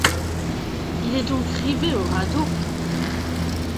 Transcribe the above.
Il est donc rivé au radeau !